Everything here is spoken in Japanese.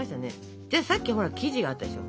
じゃあさっきほら生地があったでしょ。